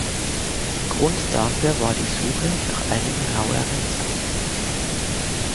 Grund dafür war die Suche nach einem raueren Sound.